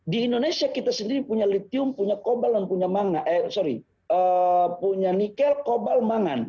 di indonesia kita sendiri punya nikel kobal mangan